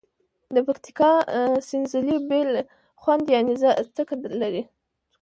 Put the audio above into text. د پکتیکا سینځلي بیل خوند یعني څکه لري.